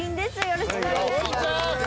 よろしくお願いします。